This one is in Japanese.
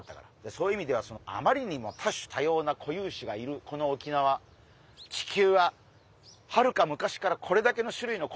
そういう意味ではあまりにも多種多様な固有種がいるこの沖縄地球ははるか昔からこれだけの種類の昆虫を生んでるんだと。